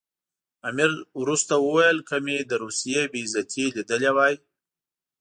امیر وروسته وویل که مې له روسیې بې عزتي لیدلې وای.